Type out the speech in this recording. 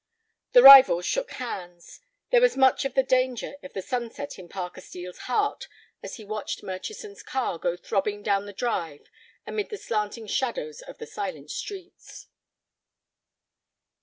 The rivals shook hands. There was much of the anger of the sunset in Parker Steel's heart as he watched Murchison's car go throbbing down the drive amid the slanting shadows of the silent trees.